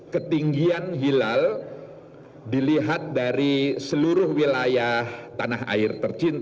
ketinggian hilal dilihat dari seluruh wilayah tanah air tercinta